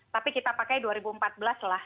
tapi kita pakai dua ribu empat belas lah